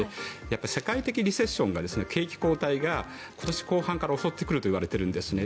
世界的リセッションが景気後退が今年後半から襲ってくるといわれているんですね。